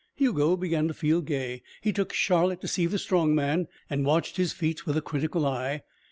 Hugo began to feel gay. He took Charlotte to see the strong man and watched his feats with a critical eye.